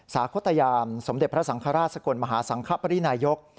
สาขตยามสมเด็จพระสังฆราชสกลมหาสังคปรินายก